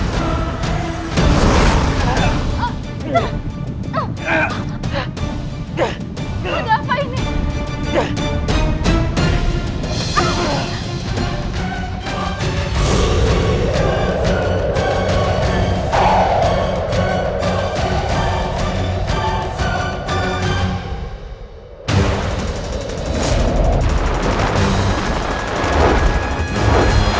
masuk aqui stahan